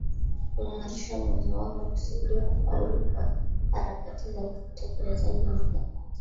kuimarisha uwezo wao wa kusaidia kufaulu kwa harakati za utekelezaji wa mikakati